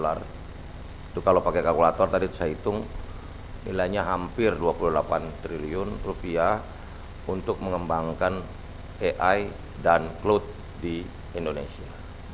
itu kalau pakai kalkulator tadi saya hitung nilainya hampir dua puluh delapan triliun rupiah untuk mengembangkan ai dan cloud di indonesia